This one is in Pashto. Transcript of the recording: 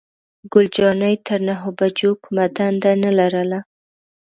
ګل جانې تر نهو بجو کومه دنده نه لرله.